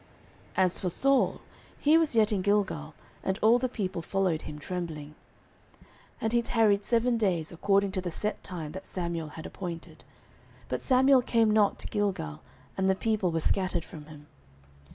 As for Saul, he was yet in Gilgal, and all the people followed him trembling. 09:013:008 And he tarried seven days, according to the set time that Samuel had appointed: but Samuel came not to Gilgal; and the people were scattered from him.